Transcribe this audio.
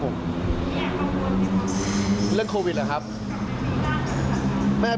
เรื่องโควิดเหรอครับ